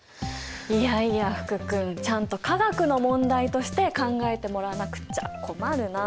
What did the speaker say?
いやいや福君ちゃんと化学の問題として考えてもらわなくっちゃ困るなあ。